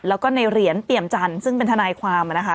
แล้วก็ในเหรียญเปี่ยมจันทร์ซึ่งเป็นทนายความนะคะ